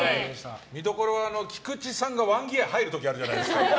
見どころは菊地さんのワンギア入る時があるじゃないですか。